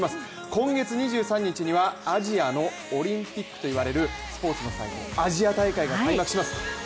今月２３日にはアジアのオリンピックといわれるスポーツの祭典アジア大会が開幕します。